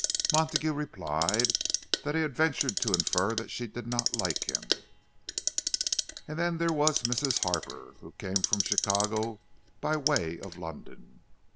Montague replied that he had ventured to infer that she did not like him. And then there was Mrs. Harper, who came from Chicago by way of London.